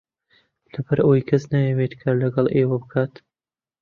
لەبەر ئەوەیە کەس نایەوێت کار لەگەڵ ئێوە بکات.